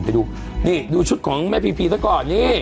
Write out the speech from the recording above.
ไปดูนี่ดูชุดของแม่พีพีซะก่อนนี่